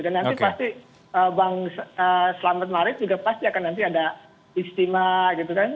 dan nanti pasti bang selamat marit juga pasti akan nanti ada istimewa gitu kan